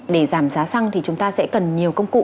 để giảm giá xăng thì chúng ta sẽ cần nhiều công cụ